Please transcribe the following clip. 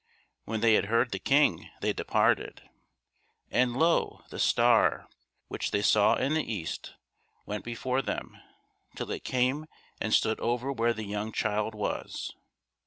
When they had heard the king, they departed; and, lo, the star, which they saw in the east, went before them, till it came and stood over where the young child was.